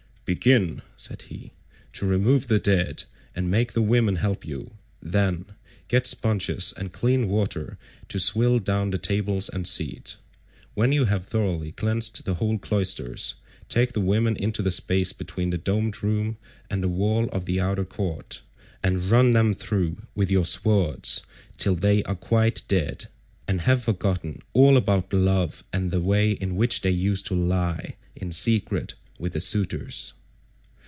"Begin," said he, "to remove the dead, and make the women help you. Then, get sponges and clean water to swill down the tables and seats. When you have thoroughly cleansed the whole cloisters, take the women into the space between the domed room and the wall of the outer court, and run them through with your swords till they are quite dead, and have forgotten all about love and the way in which they used to lie in secret with the suitors."